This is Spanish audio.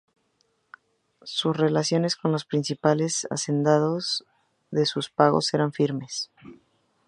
Sus relaciones con los principales hacendados de sus pagos eran firmes.